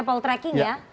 paul tracking ya